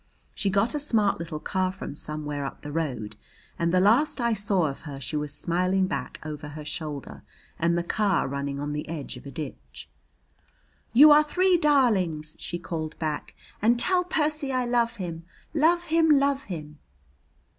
She got a smart little car from somewhere up the road, and the last I saw of her she was smiling back over her shoulder and the car running on the edge of a ditch. "You are three darlings!" she called back. "And tell Percy I love him love him love him!"